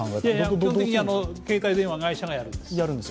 基本的に携帯電話会社がやるんです。